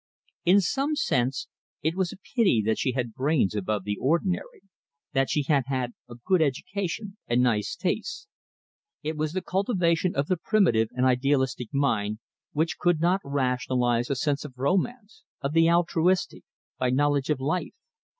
In some sense it was a pity that she had brains above the ordinary, that she had had a good education and nice tastes. It was the cultivation of the primitive and idealistic mind, which could not rationalise a sense of romance, of the altruistic, by knowledge of life.